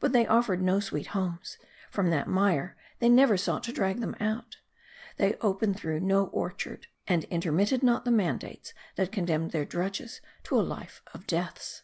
But they offered no sweet homes ; from that mire they never sought to drag them out ; they open threw no orchard ; and intermitted not the mandates that condemned their drudges to a life of deaths.